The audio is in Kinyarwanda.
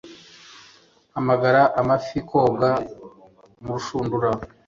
Hamagara amafi koga murushundura,